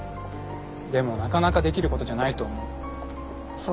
でもなかなかできることじゃないと思う。